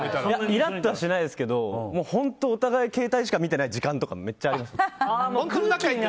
イラッとはしないですけど本当、お互いに携帯しか見てない時間とか、めっちゃあります。